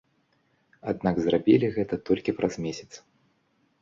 Аднак, зрабілі гэта толькі праз месяц.